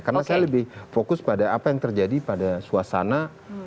karena saya lebih fokus pada apa yang terjadi pada suasana